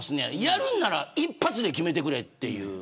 やるなら一発で決めてくれっていう。